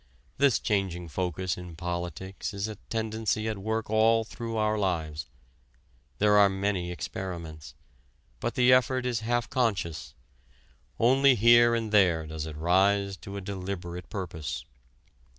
This changing focus in politics is a tendency at work all through our lives. There are many experiments. But the effort is half conscious; only here and there does it rise to a deliberate purpose.